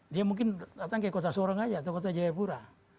dia mungkin datang ke kota sorong aja atau kota jayapura